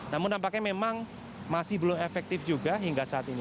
namun nampaknya memang masih belum efektif juga hingga saat ini